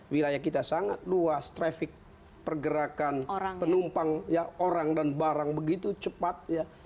wilayah kita sangat luas traffic pergerakan penumpang orang dan barang begitu cepat ya